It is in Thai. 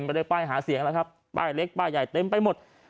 ไม่ได้ป้ายหาเสียงแล้วครับป้ายเล็กป้ายใหญ่เต็มไปหมด